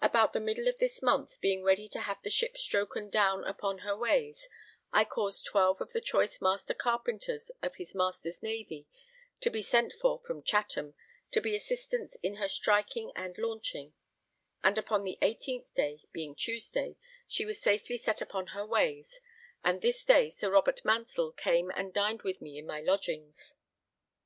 About the middle of this month, being ready to have the ship stroken down upon her ways, I caused 12 of the choice master carpenters of his Majesty's Navy to be sent for from Chatham to be assistance in her striking and launching; and upon the 18th day, being Tuesday, she was safely set upon her ways, and this day Sir Robert Mansell came and dined with me in my lodgings.